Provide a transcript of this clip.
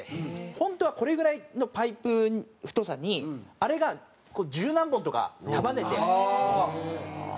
本当はこれぐらいのパイプ太さにあれが十何本とか束ねて太いのを。